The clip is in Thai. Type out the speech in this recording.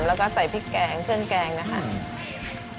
แล้วก็ใส่พริกแกงเครื่องแกงนะคะ